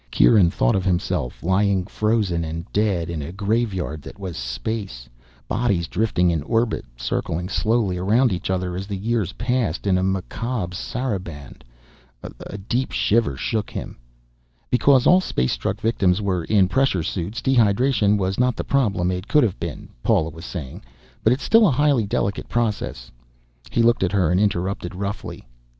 Kieran thought of himself, lying frozen and dead in a graveyard that was space, bodies drifting in orbit, circling slowly around each other as the years passed, in a macabre sarabande A deep shiver shook him. "Because all space struck victims were in pressure suits, dehydration was not the problem it could have been," Paula was saying. "But it's still a highly delicate process " He looked at her and interrupted roughly.